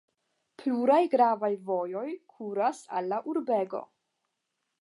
Pluraj gravaj vojoj kuras al la urbego.